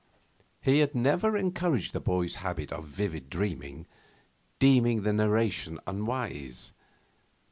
He had never encouraged the boy's habit of vivid dreaming, deeming the narration unwise.